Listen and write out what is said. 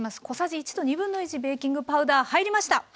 小さじ１と1/2ベーキングパウダー入りました。